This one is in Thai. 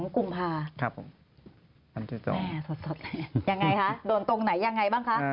๒กุมภาคมแม่สดแม่ยังไงคะโดนตรงไหนยังไงบ้างคะ